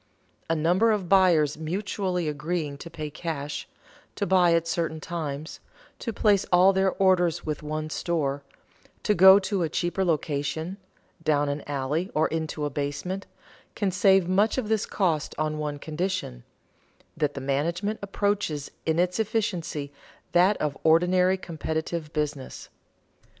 A number of buyers mutually agreeing to pay cash, to buy at certain times, to place all their orders with one store, to go to a cheaper location, down an alley or into a basement, can save much of this cost on one condition: that the management approaches in its efficiency that of ordinary competitive business.